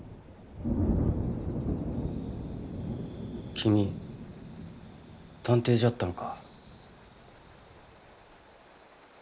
君探偵じゃったんか。